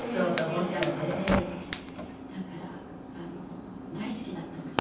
だから大好きだったみたい。